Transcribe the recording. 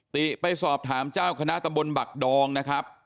ติไปสอบถามเจ้าคณะตำบลบักดองนะครับ